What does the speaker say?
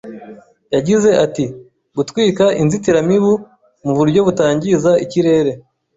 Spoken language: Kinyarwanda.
Yagize ati “Gutwika inzitiramibu mu buryo butangiza ikirere